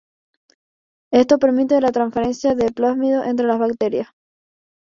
Esto permite la transferencia de plásmidos entre las bacterias.